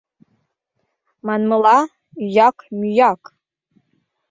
Манмыла, ӱяк-мӱяк...